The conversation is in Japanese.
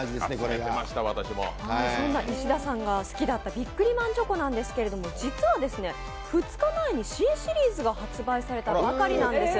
そんな石田さんが好きだったビックリマンチョコなんですけど実は２日前に新シリーズが発売されたばかりなんです。